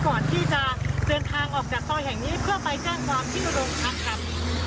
ก่อนที่จะเดินทางออกจากซอยแห่งนี้เพื่อไปแจ้งความที่โรงพักครับ